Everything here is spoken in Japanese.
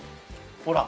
ほら。